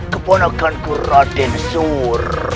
keponakan ku raden sur